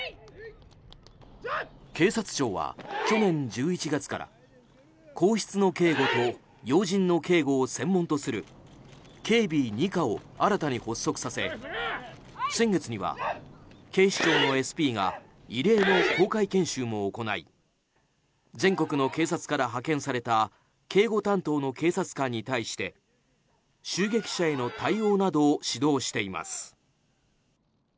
警察庁は、去年１１月から皇室の警護と要人の警護を専門とする警備２課を新たに発足させ先月には、警視庁のＳＰが異例の公開研修も行い全国の警察から派遣された警護担当の警察官に対して襲撃者への対応などを指導しています。